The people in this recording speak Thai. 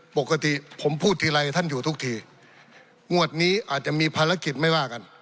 ปกติผมพูดทีไรท่านอยู่ทุกทีงวดนี้อาจจะมีภารกิจไม่ว่ากัน